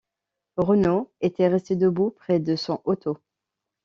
Renaud était resté debout près de son auto.